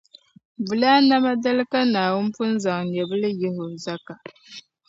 Bulaa nama dali ka Naawuni pun zaŋ nyɛbili n-yihi o zaka.